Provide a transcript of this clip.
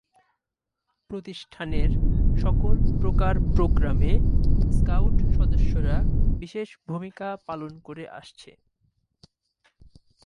প্রতিষ্ঠানের সকল প্রকার প্রোগ্রামে স্কাউট সদস্যরা বিশেষ ভূমিকা পালন করে আসছে।